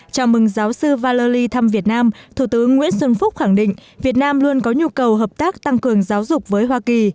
chào mừng giáo sư vali thăm việt nam thủ tướng nguyễn xuân phúc khẳng định việt nam luôn có nhu cầu hợp tác tăng cường giáo dục với hoa kỳ